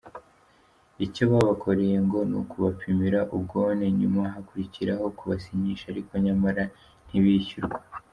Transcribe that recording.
Icyo babakoreye ngo ni ukubapimira ubwone nyuma hakurikiraho kubasinyisha ariko nyamara ntibishyurwa.